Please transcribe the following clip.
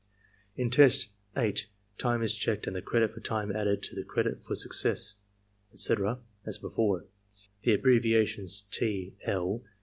In test 8 time is checked and the credit for time added to the credit for success, etc., as before. The abbreviations T. L.